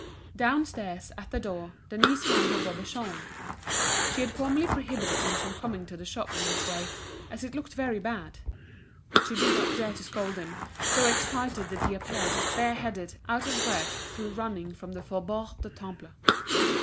Downstairs, at the door, Denise found her brother Jean. She had formally prohibited him from coming to the shop in this way, as it looked very bad. But she did not dare to scold him, so excited did he appear, bareheaded, out of breath through running from the Faubourg du Temple.